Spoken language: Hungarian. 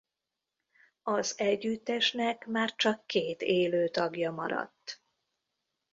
Az együttesnek már csak két élő tagja maradt.